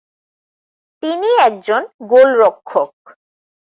তিনি একজন গোলরক্ষক।